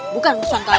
bukan urusan kalian